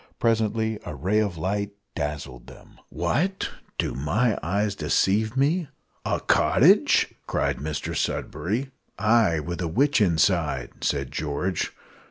Presently a ray of light dazzled them. "What! do my eyes deceive me a cottage?" cried Mr Sudberry. "Ay, and a witch inside," said George.